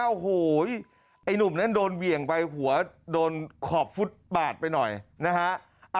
โอ้โหไอ้หนุ่มนั้นโดนเหวี่ยงไปหัวโดนขอบฟุตปาดไปหน่อยนะฮะ